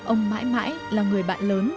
ông mãi mãi là người bạn lớn